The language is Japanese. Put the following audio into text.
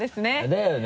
だよね？